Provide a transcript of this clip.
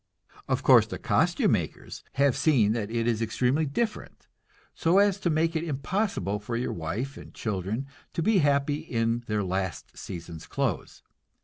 Of course the costume makers have seen that it is extremely different, so as to make it impossible for your wife and children to be happy in their last season's clothes.